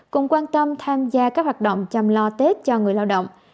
cùng quan tâm tham gia các hoạt động chăm lo tết cho người lao động